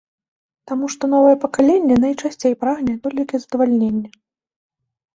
Таму што новае пакаленне найчасцей прагне толькі задавальнення.